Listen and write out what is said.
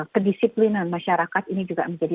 kedisiplinan masyarakat ini juga menjadi